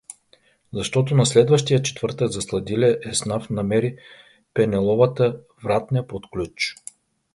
Защото на следващия четвъртък засладилият еснаф намери Пенеловата вратня под ключ!